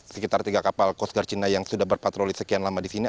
sekitar tiga kapal coast guard cina yang sudah berpatroli sekian lama di sini